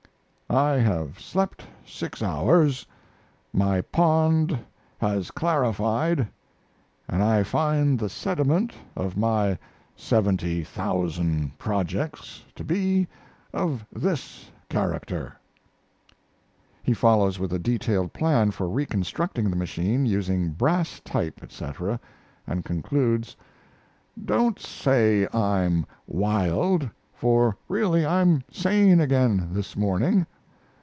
I have slept 6 hours, my pond has clarified, and I find the sediment of my 70,000 projects to be of this character: He follows with a detailed plan for reconstructing the machine, using brass type, etc., and concludes: Don't say I'm wild. For really I'm sane again this morning.